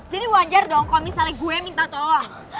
jadi wajar dong kalo misalnya gue minta tolong